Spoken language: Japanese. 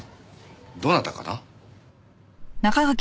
どなたかな？